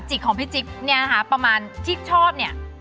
จิกของพี่จิกประมาณที่ชอบเนี่ย